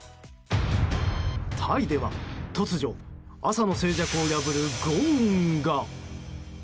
タイでは突如朝の静寂を破る轟音が。